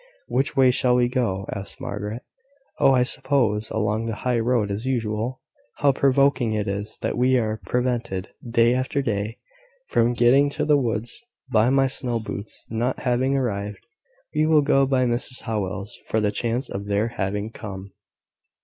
"Which way shall we go?" asked Margaret. "Oh, I suppose along the high road, as usual. How provoking it is that we are prevented, day after day, from getting to the woods by my snow boots not having arrived! We will go by Mrs Howell's for the chance of their having come."